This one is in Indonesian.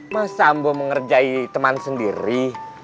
mas sambo mengerjai teman sendiri